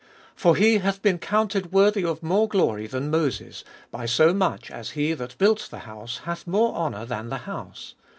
3. For he hath been counted worthy of more glory than Moses, by so much as he that built the house hath more honour than the house.